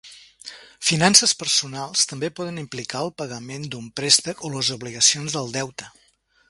Finances personals també poden implicar el pagament d'un préstec, o les obligacions del deute.